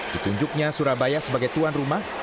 ditunjuknya surabaya sebagai tuan rumah